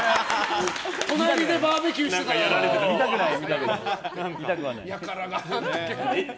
隣でバーベキューしてたら輩がって。